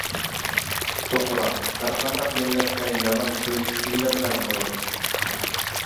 توغرا، ھەر قانداق مىللەتتە يامان خۇي، ئىللەتلەر بولىدۇ.